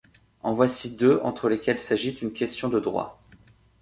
En voici deux entre lesquels s’agite une question de droit.